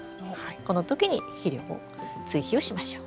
この時に肥料を追肥をしましょう。